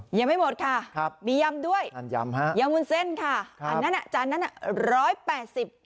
ยังไม่หมดค่ะครับมียำด้วยอันยำฮะยำวุ้นเส้นค่ะอันนั้นอ่ะจานนั้นอ่ะร้อยแปดสิบ